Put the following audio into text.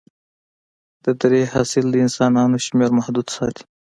د درې حاصل د انسانانو شمېر محدود ساتي.